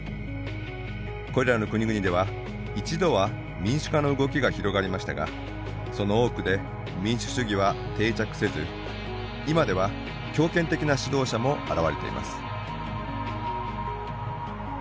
これらの国々では一度は民主化の動きが広がりましたがその多くで民主主義は定着せず今では強権的な指導者も現れています。